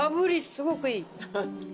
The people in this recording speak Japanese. すごくいい。